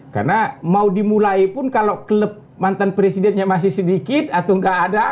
karena mau dimulai pun kalau klub mantan presidennya masih sedikit atau nggak ada